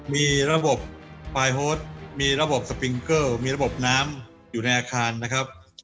มีระบบปลายโฮสมีระบบสปิงเกิลมีระบบน้ำอยู่ในอาคารนะครับ